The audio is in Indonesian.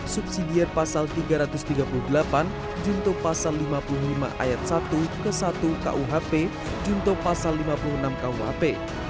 subsidi pasal tiga ratus tiga puluh delapan junto pasal lima puluh lima ayat satu ke satu kuhp junto pasal lima puluh enam kuhp